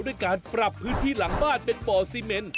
ด้วยการปรับพื้นที่หลังบ้านเป็นบ่อซีเมน